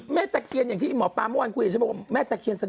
พลิกต๊อกเต็มเสนอหมดเลยพลิกต๊อกเต็มเสนอหมดเลย